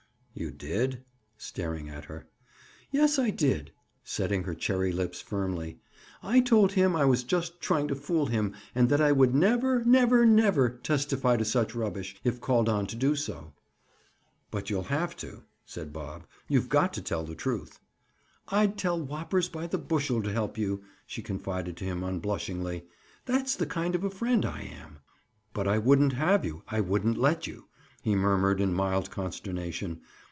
"You did?" Staring at her. "Yes, I did." Setting her cherry lips firmly. "I told him I was just trying to fool him and that I would never—never—never testify to such rubbish, if called on to do so." "But you'll have to," said Bob. "You've got to tell the truth." "I'd tell whoppers by the bushel to help you," she confided to him unblushingly. "That's the kind of a friend I am." "But I wouldn't have you. I wouldn't let you," he murmured in mild consternation.